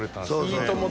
「いいとも！」